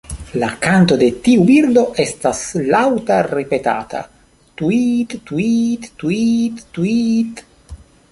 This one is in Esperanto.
La kanto de tiu birdo estas laŭta ripetata "tŭiit-tŭiit-tŭiit-tŭiit".